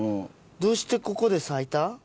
どうしてここで咲いた？